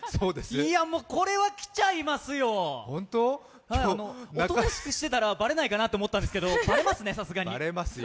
いや、もうこれは来ちゃいますよおとなしくしてたらバレないかなと思ったんですけど、バレますね、さすがに。